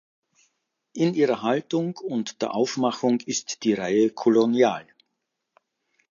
In ihrer Haltung und der Aufmachung ist die Reihe kolonial.